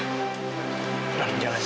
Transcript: kamu sudah mengingatkan itu